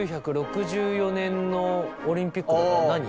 １９６４年のオリンピックって何。